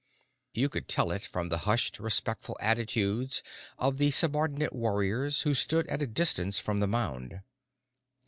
You could tell it from the hushed, respectful attitudes of the subordinate warriors who stood at a distance from the mound.